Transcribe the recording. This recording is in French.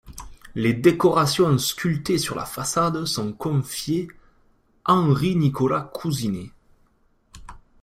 Les décorations sculptées sur la façade sont confiées Henri-Nicolas Cousinet.